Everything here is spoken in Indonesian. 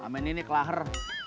sama ini nih kelahir